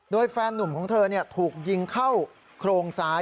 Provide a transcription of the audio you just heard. โดยแฟนนุ่มของเธอถูกยิงเข้าโครงซ้าย